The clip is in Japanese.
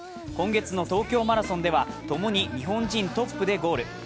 今月の東京マラソンでは共に日本人トップでゴール。